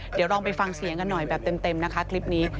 เดี๋ยวลองไปฟังเสียงกันหน่อยแบบเต็มนะคะคลิปนี้